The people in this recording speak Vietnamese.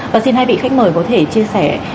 và xin hai vị khách mời có thể chia sẻ